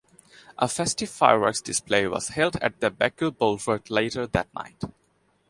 A festive fireworks display was held at the Baku Boulevard later that night.